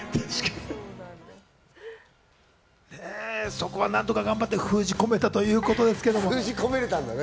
そこは何とか頑張って封じ込めたということですけども。